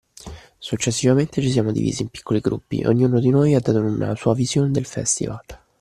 Successivamente, ci siamo divisi in piccoli gruppi e ognuno di noi ha dato una sua vision del festival